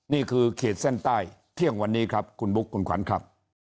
เขตเส้นใต้เที่ยงวันนี้ครับคุณบุ๊คคุณขวัญครับ